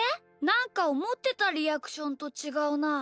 なんかおもってたリアクションとちがうな。